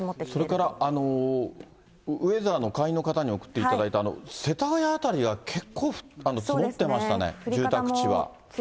それからウェザーの会員の方に送っていただいた、世田谷辺りは結構積もってましたね、住宅地は。